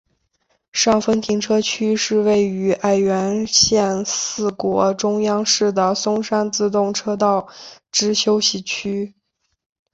上分停车区是位于爱媛县四国中央市的松山自动车道之休息区。